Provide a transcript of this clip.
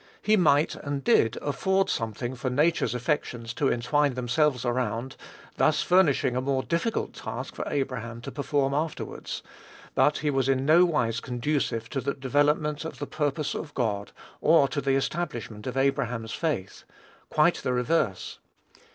He might, and did, afford something for nature's affections to entwine themselves around, thus furnishing a more difficult task for Abraham to perform afterwards; but he was in no wise conducive to the development of the purpose of God, or to the establishment of Abraham's faith, quite the reverse.